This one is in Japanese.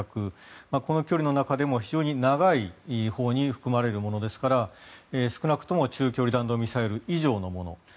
この距離の中でも非常に長いほうに含まれるものですから少なくとも中距離弾道ミサイル以上のもの。